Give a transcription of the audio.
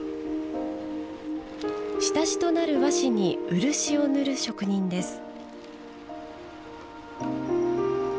下地となる和紙に漆を塗る職人です。